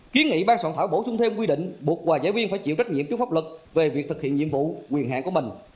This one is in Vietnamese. kiến nghị ban soạn thảo bổ sung thêm quy định buộc hòa giải viên phải chịu trách nhiệm trước pháp luật về việc thực hiện nhiệm vụ quyền hạng của mình